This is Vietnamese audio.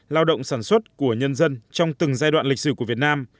lao động sản xuất của nhân dân trong từng giai đoạn lịch sử của việt nam